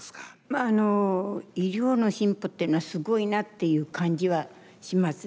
まああの医療の進歩っていうのはすごいなっていう感じはします。